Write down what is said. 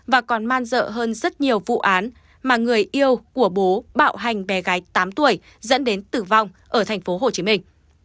và còn man dợ hơn rất nhiều vụ án mà người yêu của bố bạo hành bé gái tám tuổi dẫn đến tử vong ở thành phố hồ chí minh